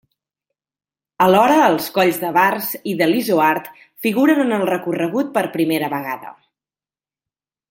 Alhora els colls de Vars i de l'Izoard figuren en el recorregut per primera vegada.